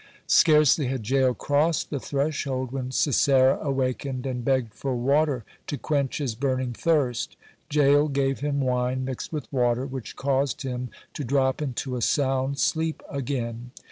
Scarcely had Jael crossed the threshold when Sisera awakened and begged for water to quench his burning thirst. Jael gave him wine mixed with water, which caused him to drop into a sound sleep again.